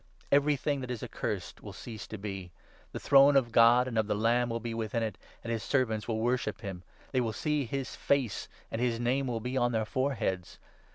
' Every thing that is accursed will cease to 3 be.' The throne of God and of the Lamb will be within it, and his servants will worship him ; they will see his face, and 4 his name will be on their foreheads.